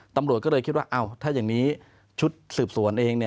ตำรวจก็เลยคิดว่าถ้าอย่างนี้ชุดสืบสวนเอง